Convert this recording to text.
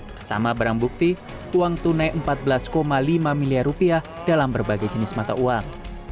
bersama barang bukti uang tunai rp empat belas lima miliar rupiah dalam berbagai jenis mata uang